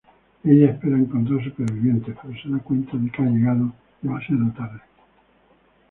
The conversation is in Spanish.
Ella espera encontrar supervivientes, pero se da cuenta de que ha llegado demasiado tarde.